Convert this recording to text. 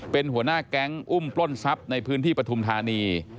เป็นหัวหน้าแก๊งอุ้มปล้นทรัพย์ในพื้นที่ปฐุมธานี